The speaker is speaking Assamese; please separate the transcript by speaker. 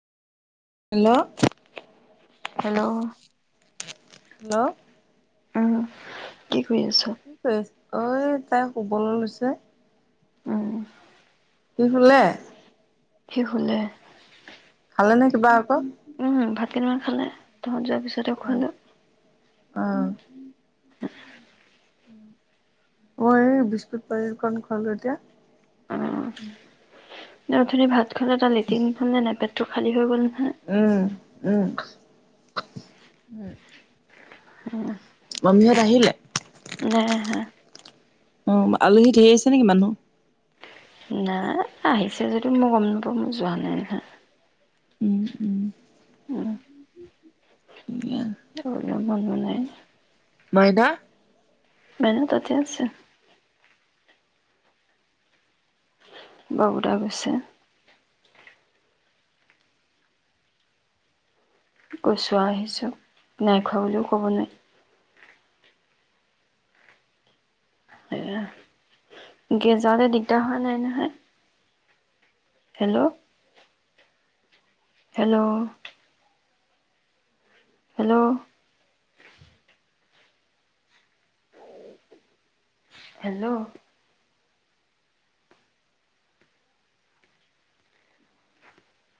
Speaker 1: হেল্ল
Speaker 2: হেল্ল'
Speaker 1: হেল্ল'অ
Speaker 2: উম কি শুই আছো।
Speaker 1: ঐ তাই শুবলে লৈছে। উম। সি শুলে?
Speaker 2: সি শুলে।
Speaker 1: ভালে নে কিবা ক।
Speaker 2: ইমান খালে তহঁত যে তাৰপিছত হে খুৱালোঁ।
Speaker 1: অ
Speaker 2: [inaudible]
Speaker 1: মই এই বিস্কুট পানীকন খোৱালো এতিয়া। [inaudible]
Speaker 2: অ অথনি ভাত ইফালে এটা লেট্ৰিন। খালী হৈ গ'ল। নহয়
Speaker 1: উম উম উম।
Speaker 2: উম [inaudible]
Speaker 1: মামীহঁত আহিলে?
Speaker 2: নাই আহা।
Speaker 1: অ আলহী ঢেই আহিছে নেকি মানুহ?
Speaker 2: নাই আহিছে যদিও মই গম নাপাওঁ, মই যোৱা নাই নহয়।
Speaker 1: উম উম
Speaker 2: উম, খাবলে মন যোৱা নাই।
Speaker 1: মাইডা।
Speaker 2: মাইনা তাতে আছে। বাবু দা গৈছে। গৈছো, আহিছোঁ নাই খোৱা বুলিও ক'ব নোৱাৰি। গেজাৰলে দিগদাৰ হোৱা নাই নহয়? Hello, hello. হেল্ল'ও। হেল্ল'